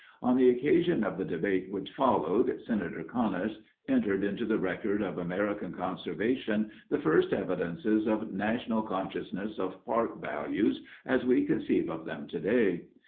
On the occasion of the debate which followed, Senator Conness entered into the record of American conservation the first evidences of national consciousness of park values as we conceive of them today.